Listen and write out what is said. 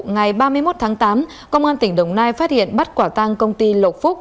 ngày ba mươi một tháng tám công an tỉnh đồng nai phát hiện bắt quả tang công ty lộc phúc